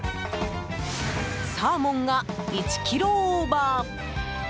サーモンが１ｋｇオーバー！